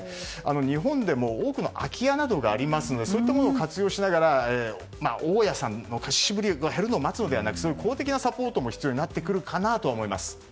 日本でも多くの空き家などがありますのでそういったものを活用しながら大家さんの貸し渋りが減るのを待つのではなく公的なサポートも必要になってくるかと思います。